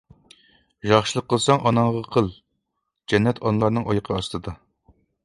ياخشىلىق قىلساڭ ئاناڭغا قىل، جەننەت ئانىلارنىڭ ئايىغى ئاستىدا!